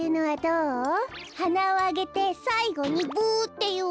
はなをあげてさいごにブっていうの。